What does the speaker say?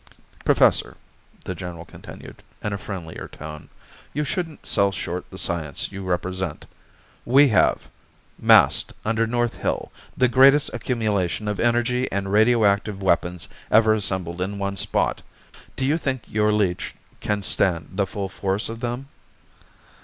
_ "Professor," the general continued, in a friendlier tone, "you shouldn't sell short the science you represent. We have, massed under North Hill, the greatest accumulation of energy and radioactive weapons ever assembled in one spot. Do you think your leech can stand the full force of them?"